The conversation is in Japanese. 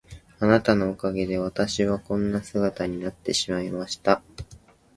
あなたのおかげで私はこんな姿になってしまいました。